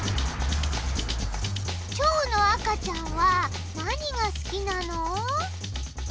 ちょうのあかちゃんはなにがすきなの？